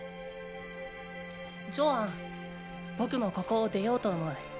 ジョアン僕もここを出ようと思う。